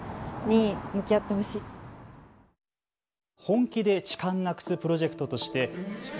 「本気で痴漢なくすプロジェクト」として。